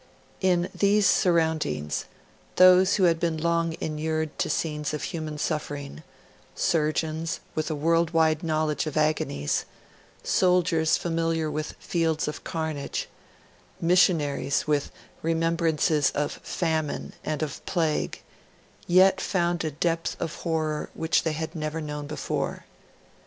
In these surroundings, those who had been long inured to scenes of human suffering surgeons with a world wide knowledge of agonies, soldiers familiar with fields of carnage, missionaries with remembrances of famine and of plague yet found a depth of horror which they had never known before.